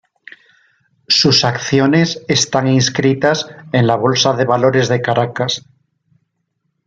Sus acciones están inscritas en la Bolsa de Valores de Caracas.